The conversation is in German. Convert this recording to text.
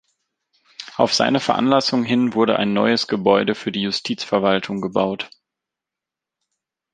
Auf seine Veranlassung hin wurde ein neues Gebäude für die Justizverwaltung gebaut.